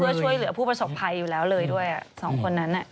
เพื่อช่วยเหลือผู้ประสบภัยอยู่แล้วเลยด้วยสองคนนั้น